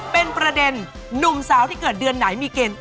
เป็นประเด็นหนุ่มสาวที่เกิดเดือนไหนมีเกณฑ์